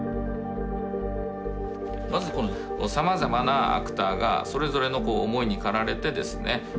まずこのさまざまなアクターがそれぞれの思いに駆られてですね